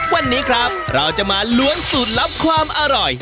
วันนี้ครับเราจะมาล้วนสูตรลับความอร่อย